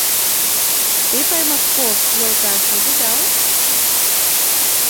Те Паймаков йолташ огыдал?